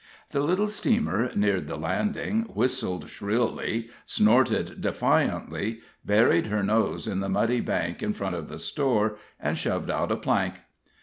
The little steamer neared the landing, whistled shrilly, snorted defiantly, buried her nose in the muddy bank in front of the store, and shoved out a plank.